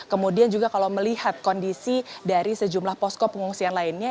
kemudian juga kalau melihat kondisi dari sejumlah posko pengungsian lainnya